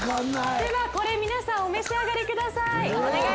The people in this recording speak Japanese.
ではこれ皆さんお召し上がりください。